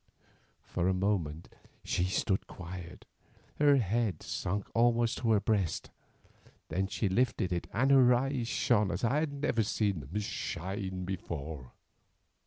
For a moment she stood quiet, her head sunk almost to her breast, then she lifted it and her eyes shone as I had never seen them shine before.